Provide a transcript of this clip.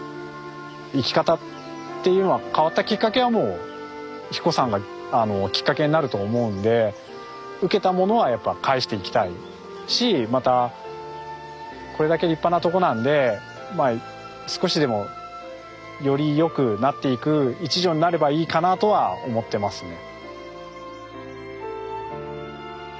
生き方っていうのは変わったきっかけはもう英彦山がきっかけになると思うんで受けたものはやっぱ返していきたいしまたこれだけ立派なとこなんでまあ少しでもよりよくなっていく一助になればいいかなとは思ってますね。